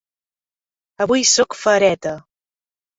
Avui sóc Fahreta.